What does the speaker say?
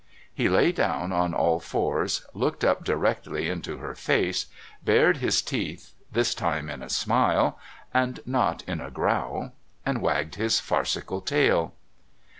He lay down on all fours, looked up directly into her face, bared his teeth this time in a smile and not in a growl, and wagged his farcical tail.